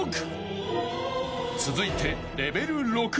［続いて］